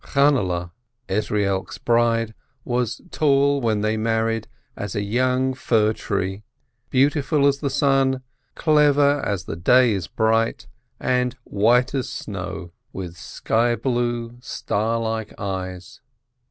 Channehle, Ezrielk's bride, was tall, when they mar ried, as a young fir tree, beautiful as the sun, clever as the day is bright, and white as snow, with sky blue, 15 222 LERNER star like eyes.